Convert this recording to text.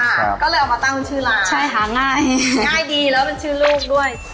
ก็เลยเอามาตั้งชื่อร้านใช่หาง่ายง่ายดีแล้วเป็นชื่อลูกด้วย